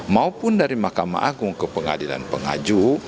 maupun dari mahkamah agung ke pengadilan pengaju